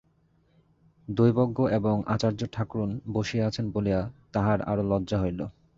দৈবজ্ঞ এবং আচার্য-ঠাকরুন বসিয়া আছেন বলিয়া তাহার আরো লজ্জা হইল।